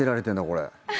これ。